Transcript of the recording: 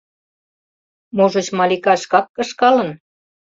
— Можыч, Малика шкак кышкалын?